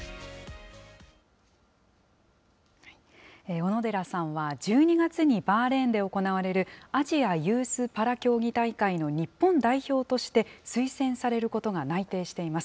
小野寺さんは、１２月にバーレーンで行われるアジアユースパラ競技大会の日本代表として、推薦されることが内定しています。